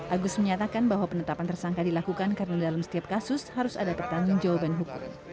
agus menyatakan bahwa penetapan tersangka dilakukan karena dalam setiap kasus harus ada pertanggung jawaban hukum